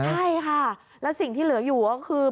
ใช่ค่ะแล้วสิ่งที่เหลืออยู่ก็คือ